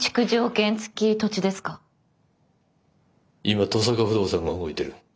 今登坂不動産が動いてる。